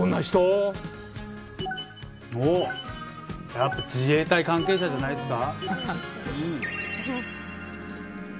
やっぱ自衛隊関係者じゃないですか。